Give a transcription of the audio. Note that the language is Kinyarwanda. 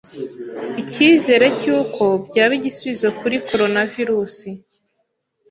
Icyizere cyuko byaba igisubizo kuri coronavirus